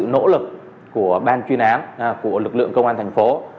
một là sự nỗ lực của ban chuyên án của lực lượng công an thành phố